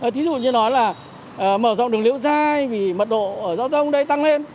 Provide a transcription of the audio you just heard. thí dụ như nói là mở rộng đường liễu dai vì mật độ ở giao thông đây tăng lên